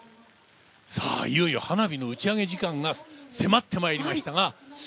いよいよ花火の打ち上げ時間が迫ってまいりましたが。